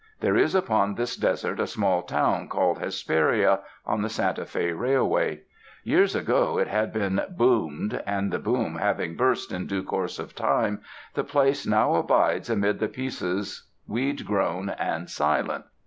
There is upon this desert a small town called Hesperia, on the Santa Fc Railway. Years ago it bad been "boomed," and the boom having burst in due course of time, the place now abides amid the pieces, weed grown and silent.